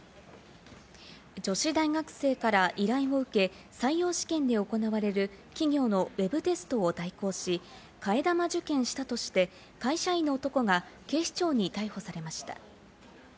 女子大学生から依頼を受け、採用試験で行われる企業のウェブテストを代行し、替え玉受験したとして、会社員の男が警視庁に逮捕されました。